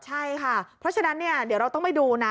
ใช่ค่ะเพราะฉะนั้นเนี่ยเดี๋ยวเราต้องไปดูนะ